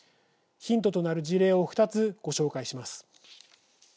ヒントとなる事例を２つ、ご紹介します。